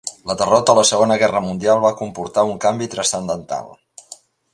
La derrota a la Segona Guerra Mundial va comportar un canvi transcendental.